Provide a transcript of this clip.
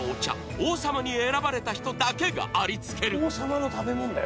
王様に選ばれた人だけがありつける